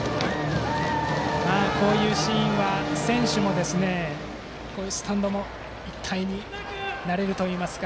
こういうシーンが選手もスタンドも一体になれるといいますか。